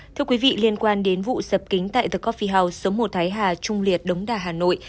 thưa quý vị liên quan đến vụ sập kính tại the cophi house số một thái hà trung liệt đống đà hà nội